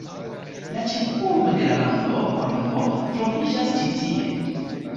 La ĉefurbo de la lando, Kolombo, troviĝas ĉi tie.